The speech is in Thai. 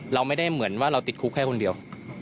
เราไม่ได้เหมือนว่าเราติดคุกแค่คนเดียว